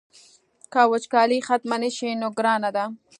که وچکالي ختمه نه شي نو ګرانه ده.